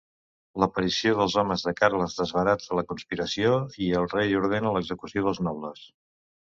L'aparició dels homes de Carles desbarata la conspiració i el rei ordena l'execució dels nobles.